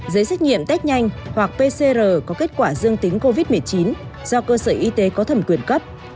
giấy xét nghiệm test nhanh hoặc pcr có kết quả dương tính covid một mươi chín do cơ sở y tế có thẩm quyền cấp